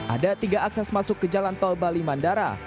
ada tiga akses masuk ke jalan tol bali mandara